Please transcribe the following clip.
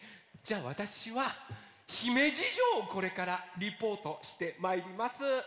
じゃあわたしはひめじじょうをこれからリポートしてまいります。